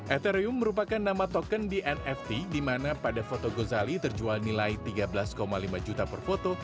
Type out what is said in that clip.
ethereum merupakan nama token di nft di mana pada foto gozali terjual nilai tiga belas lima juta per foto